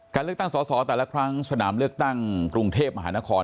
เลือกตั้งสอสอแต่ละครั้งสนามเลือกตั้งกรุงเทพมหานคร